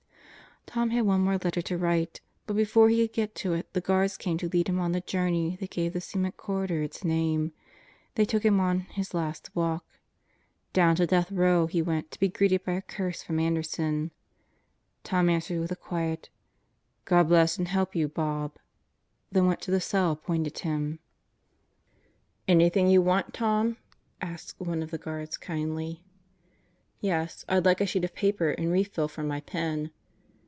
Tom had one more letter to write, but before he could get to it the guards came to lead him on the journey that gave the cement corridor its name. They took him on his 'last walk." Down to Death Row he went to be greeted by a curse from Anderson. Tom answered with a quiet "God bless and help you, Bob," then went to the cell appointed him. 200 God Goes to Murderers Row "Anything you want, Tom?" asked one of the guards kindly. "Yes, I'd like a sheet of paper and re fill for my pen."